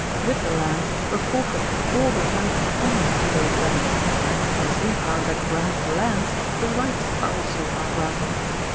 With the lands were forfeited all the rights appendant to those lands; by the same power that grants the lands, the rights also are granted.